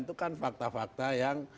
itu kan fakta fakta yang